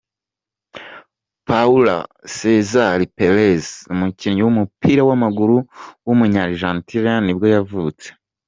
Paulo César Pérez, umukinnyi w’umupira w’amaguru w’umunya Argentine nibwo yavutse.